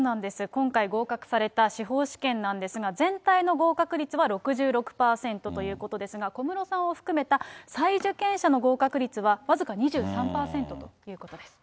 今回合格された司法試験なんですが、全体の合格率は６６％ということですが、小室さんを含めた再受験者の合格率は僅か２３％ということです。